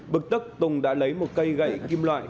bực tức tùng đã lấy một cây gậy kim loại